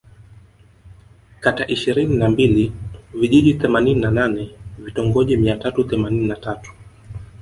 Kata ishirini na mbili Vijiji themanini na nane Vitongoji mia tatu themanini na tatu